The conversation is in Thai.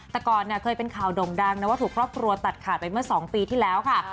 แต่ก่อนเนี่ยเคยเป็นข่าวด่งดังนะว่าถูกครอบครัวตัดขาดไปเมื่อ๒ปีที่แล้วค่ะ